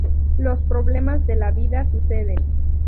Los problemas de la vida suceden.